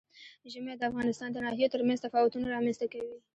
ژمی د افغانستان د ناحیو ترمنځ تفاوتونه رامنځ ته کوي.